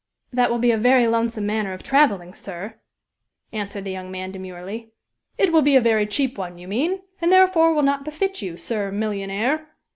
"That will be a very lonesome manner of traveling, sir," answered the young man, demurely. "It will be a very cheap one, you mean, and, therefore, will not befit you, Sir Millionaire!